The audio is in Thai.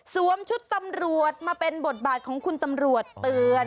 ชุดตำรวจมาเป็นบทบาทของคุณตำรวจเตือน